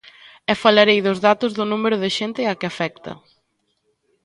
E falarei dos datos do número de xente a que afecta.